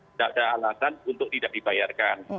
tidak ada alasan untuk tidak dibayarkan